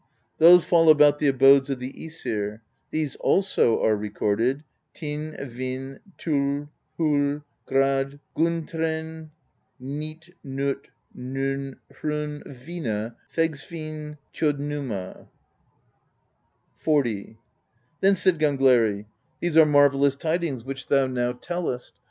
Those fall about the abodes of the ^sir; these also are recorded: Thyn, Vin, Tholl, Holl, Grad, Gunn thrain, Nyt, Not, Nonn, Hronn, Vina, Vegsvinn, Thjod numa." XL. Then said Gangleri: "These are marvellous tidings which thou now tellest.